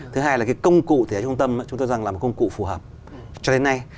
thứ hai là cái công cụ thể trung tâm chúng tôi rằng là một công cụ phù hợp cho đến nay